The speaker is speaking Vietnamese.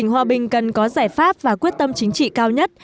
hòa bình cần có giải pháp và quyết tâm chính trị cao nhất